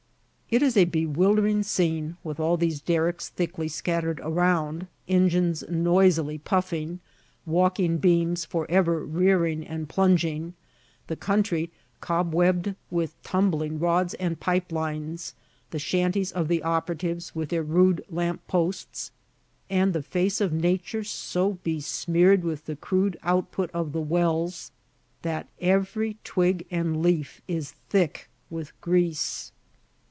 It is a bewildering scene, with all these derricks thickly scattered around, engines noisily puffing, walking beams forever rearing and plunging, the country cobwebbed with tumbling rods and pipe lines, the shanties of the operatives with their rude lamp posts, and the face of Nature so besmeared with the crude output of the wells that every twig and leaf is thick with grease.